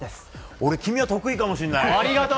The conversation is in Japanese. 俺、君は得意かもしれない。